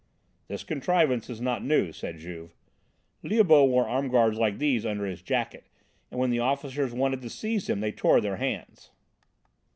"This contrivance is not new," said Juve; "Liabeuf wore arm guards like these under his jacket, and when the officers wanted to seize him they tore their hands."